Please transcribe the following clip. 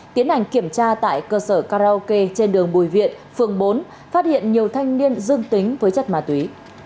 tiến hành kiểm tra tại cơ sở karaoke trên đường bùi viện phường bốn phát hiện nhiều thanh niên dương tính với chất ma túy